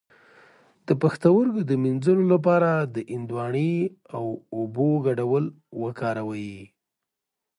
د پښتورګو د مینځلو لپاره د هندواڼې او اوبو ګډول وکاروئ